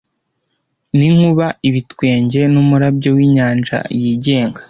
N'inkuba, ibitwenge n'umurabyo w'inyanja yigenga;